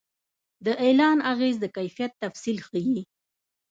د اعلان اغېز د کیفیت تفصیل ښيي.